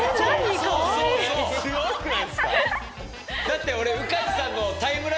だって俺。